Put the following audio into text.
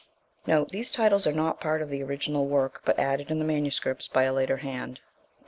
These titles are not part of the original work, but added in the MSS. by a later hand. 57.